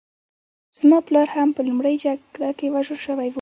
زما پلار هم په لومړۍ جګړه کې وژل شوی و